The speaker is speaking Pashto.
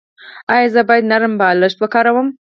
ایا زه باید نرم بالښت وکاروم؟